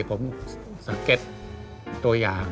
โปรดติดตามต่อไป